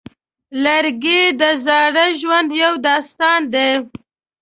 لرګی د زاړه ژوند یو داستان دی.